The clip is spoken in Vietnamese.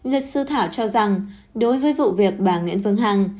luật sư thảo cho rằng đối với vụ việc bà nguyễn phương hằng